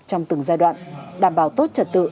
trong từng giai đoạn đảm bảo tốt trật tự